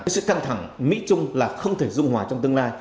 sự căng thẳng mỹ trung là không thể dung hòa trong tương lai